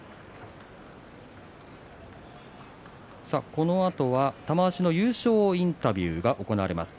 このあとは玉鷲の優勝インタビューが行われます。